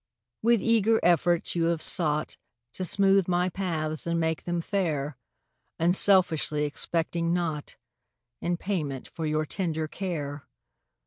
% W ITH eager efforts you Have sougkt To smootk my paths and make them fair, Unselfiskly expect 5 mg naugkt In payment for your tender care.